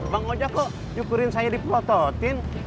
bang ojak kok syukurin saya diprototin